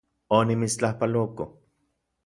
Onimitstlajpaloko